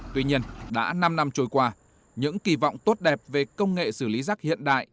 tuy nhiên đã năm năm trôi qua những kỳ vọng tốt đẹp về công nghệ xử lý rác hiện đại